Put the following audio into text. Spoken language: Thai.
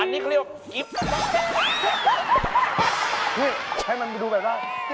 อันนี้ก็เรียกว่ากิ๊บป๊อกแป๊ก